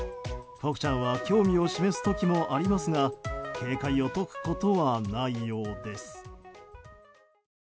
フォクちゃんは興味を示す時もありますが警戒を解くことはないようです。